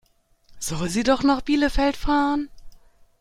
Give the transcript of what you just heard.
Soll sie doch nach Bielefeld fahren?